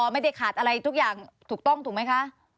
ไม่ได้ขาดอะไรอะไรตุ๊กต้องถูกไหมคะ